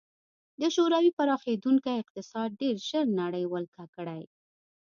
د شوروي پراخېدونکی اقتصاد ډېر ژر نړۍ ولکه کړي